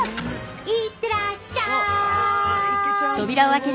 行ってらっしゃい！